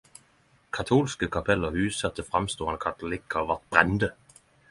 Katolske kapell og husa til framståande katolikkar vart brende.